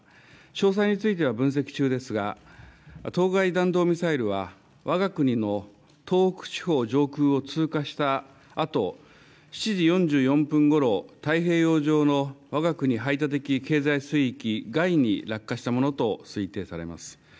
詳細については分析中ですが、当該弾道ミサイルはわが国の東北地方上空を通過したあと、７時４４分ごろ、太平洋上のわが国排他的経済水域外に落下したものと推定されます。